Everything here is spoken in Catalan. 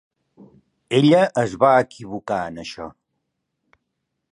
Ella es va equivocar en això.